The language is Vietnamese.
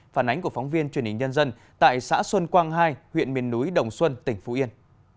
phản ánh của phóng viên truyền hình nhân dân tại xã xuân quang hai huyện miền núi đồng xuân tỉnh phú yên